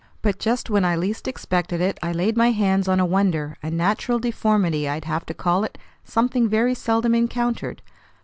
But just when I least expected it, I laid my hands on a wonder, a natural deformity I'd have to call it, something very seldom encountered.